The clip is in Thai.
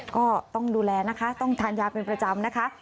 ก็ต้องดูแลนะคะต้องทานยาเป็นประจำนะคะ